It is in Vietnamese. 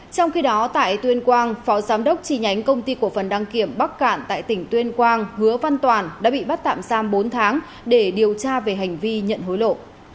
trong khi đó tại tuyên quang phó giám đốc tri nhánh công ty cổ phần đăng kiểm bắc cạn tại tỉnh tuyên quang hứa văn toàn đã bị bắt tạm giam bốn tháng để điều tra về hành vi nhận hối lộ